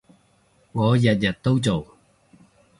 我日日都做